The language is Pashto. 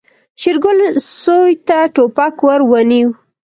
شېرګل سوی ته ټوپک ور ونيو.